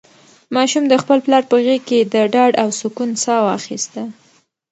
ماشوم د خپل پلار په غېږ کې د ډاډ او سکون ساه واخیسته.